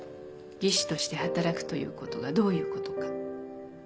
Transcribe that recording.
技師として働くということがどういうことか。